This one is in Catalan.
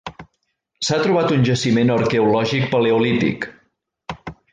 S'ha trobat un jaciment arqueològic paleolític: